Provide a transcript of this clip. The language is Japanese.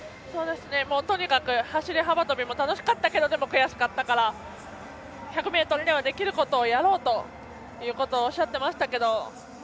とにかく走り幅跳びも楽しかったけどでも悔しかったから１００ｍではできることをやろうということをおっしゃっていましたけど。